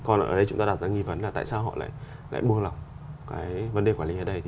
còn ở đây chúng ta đặt ra nghi vấn là tại sao họ lại buông lỏng cái vấn đề quản lý ở đây